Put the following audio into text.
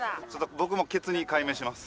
僕もケツに改名します。